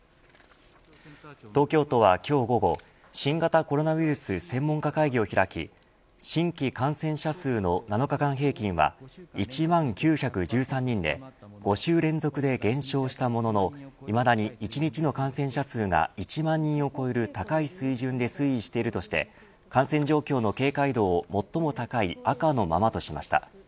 東京都は今日午後新型コロナウイルス専門家会議を開き新規感染者数の７日間平均は１万９１３人で５週連続で減少したもののいまだに１日の感染者数が１万人を超える高い水準で推移しているとして感染状況の警戒度を最も高い赤のままとしました。